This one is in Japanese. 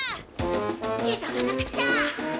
急がなくっちゃ！